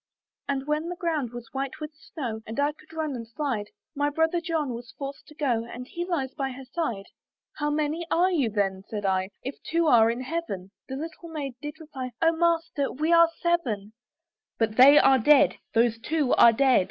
"And when the ground was white with snow, "And I could run and slide, "My brother John was forced to go, "And he lies by her side." "How many are you then," said I, "If they two are in Heaven?" The little Maiden did reply, "O Master! we are seven." "But they are dead; those two are dead!